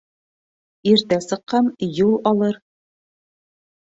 Иртә сыҡҡан юл алыр.